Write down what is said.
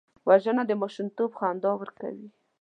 وژنه د ماشومتوب خندا ورکوي